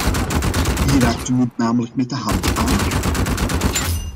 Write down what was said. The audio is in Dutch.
Wie raakt de munt namelijk met de handen aan?